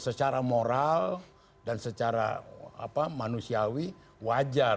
secara moral dan secara manusiawi wajar